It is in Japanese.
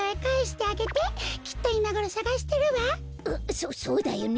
そそうだよね。